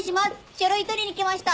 書類取りに来ました。